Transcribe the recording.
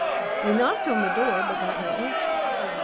We knocked on the door, but got no answer.